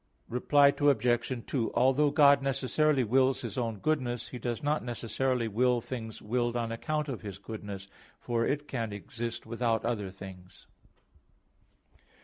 Reply Obj. 2: Although God necessarily wills His own goodness, He does not necessarily will things willed on account of His goodness; for it can exist without other things.